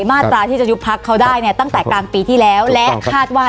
มาตราที่จะยุบพักเขาได้เนี่ยตั้งแต่กลางปีที่แล้วและคาดว่า